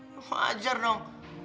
mau ajar dong